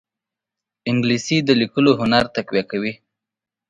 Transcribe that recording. انګلیسي د لیکلو هنر تقویه کوي